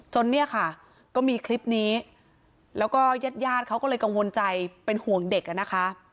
จนมีคลิปนี้แล้วแยดเขาก็เลยกังวลใจเป็นห่วงเด็ก